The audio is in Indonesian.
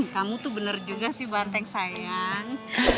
kamu tuh bener juga sih barteng sayang